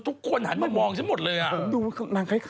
ถูกรวมผม